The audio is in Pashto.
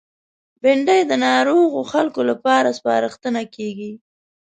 بېنډۍ د ناروغو خلکو لپاره سپارښتنه کېږي